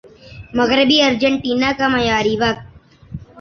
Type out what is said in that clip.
مغربی ارجنٹینا کا معیاری وقت